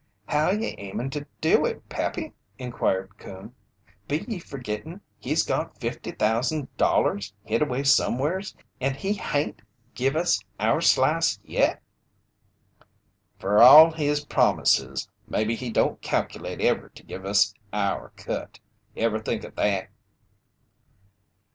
"How ye aimin' ter do it, Pappy?" inquired Coon. "Be ye fergittin' he's got $50,000 hid away somewheres an' he hain't give us our slice yet?" "Fer all his promises, maybe he don't calculate ever to give us our cut! Ever think o' that?"